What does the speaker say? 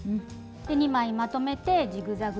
２枚まとめてジグザグ